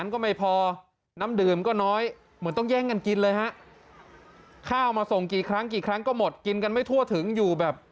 คือคนที่เป็นโควิดก็ทุกข์จะตายอยู่แล้ว